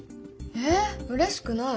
えうれしくない。